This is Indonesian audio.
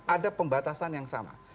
ada pembatasan yang sama